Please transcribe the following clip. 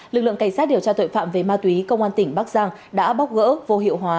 lực lượng cảnh sát điều tra tội phạm về ma túy công an tỉnh bắc giang đã bóc gỡ vô hiệu hóa